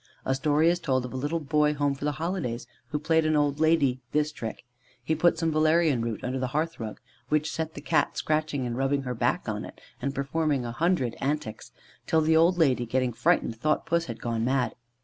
A story is told of a little boy home for the holidays who played an old lady this trick: He put some valerian root under the hearth rug, which set the Cat scratching, rubbing her back on it, and performing a hundred antics, till the old lady, getting frightened, thought Puss had gone mad.